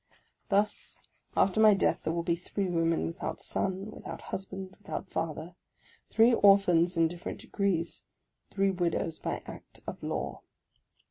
Thus after my death there will be three women without son, without husband, without father, — three orphans in dif ferent degrees ; three widows by act of law.